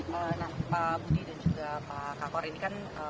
menarik pak budi dan juga pak kakor ini kan